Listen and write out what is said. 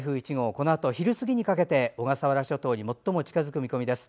このあと昼過ぎにかけて小笠原諸島に最も近づく見込みです。